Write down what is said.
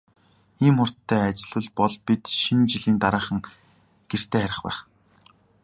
Ийм хурдтай ажиллавал бол бид Шинэ жилийн дараахан гэртээ харих байх.